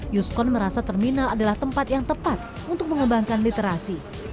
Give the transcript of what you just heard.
yuskon merasa terminal adalah tempat yang tepat untuk mengembangkan literasi